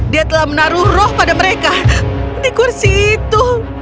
dia telah menaruh roh pada mereka di kursi itu